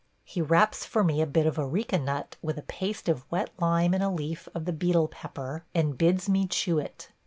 He wraps for me a bit of areca nut with a paste of wet lime in a leaf of the betel pepper, and bids me chew it.